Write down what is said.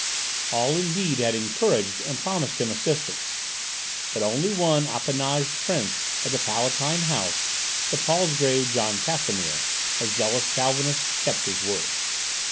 All indeed had encouraged, and promised him assistance; but only one appanaged prince of the Palatine House, the Palsgrave John Casimir, a zealous Calvinist, kept his word.